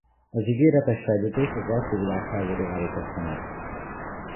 Az ígéretes fejlődést az első világháború állította meg.